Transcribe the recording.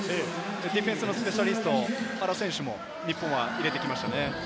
ディフェンスのスペシャリスト・原選手も日本を入れてきましたね。